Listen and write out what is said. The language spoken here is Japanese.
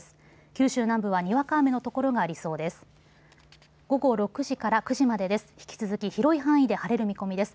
九州南部はにわか雨の所がありそうです。